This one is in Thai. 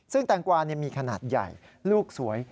ซึ่งแตงกวามีขนาดใหญ่ลูกสวย